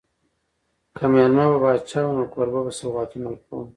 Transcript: که مېلمه به پاچا و نو کوربه به سوغاتونه ورکول.